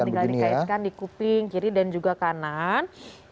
tinggal dikaitkan di kuping kiri dan juga kanan